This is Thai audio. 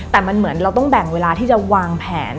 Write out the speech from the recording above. แต่มันเหมือนเราต้องแบ่งเวลาที่จะวางแผน